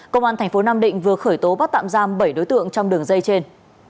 công an tp nam định vừa khởi tố bắt tạm giam bảy đối tượng trong đường dây trên